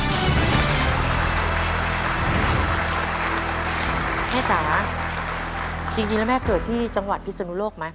แม่จ๋าจริงแล้วแม่เกิดที่จังหวัดพิศนุโลกไหม